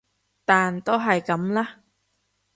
但都係噉啦